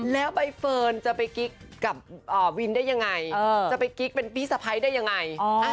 แล้วใบเฟิร์นจะไปกิ๊กกับวินได้ยังไงจะไปกิ๊กเป็นพี่สะพ้ายได้ยังไง